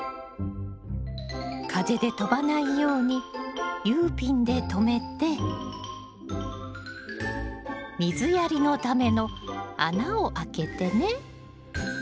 風で飛ばないようにＵピンで留めて水やりのための穴を開けてね。